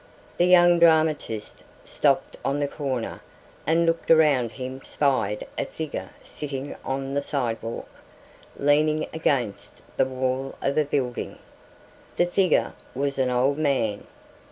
The young dramatist stopped on the corner and looking around him spied a figure sitting on the sidewalk, leaning against the wall of a building. The figure was an old man.